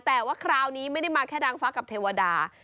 แต่ว่าคราวนี้ไม่ได้มาแค่นางฟ้ากับเทวดา